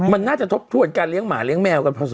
มันน่าจะทบทวดการเลี้ยงหมาเลี้ยงแม่กันพอสมควรเนาะ